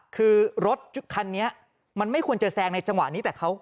คือรถคันนี้มันไม่ควรจะแซงในจังหวะนี้แต่เขา